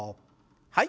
はい。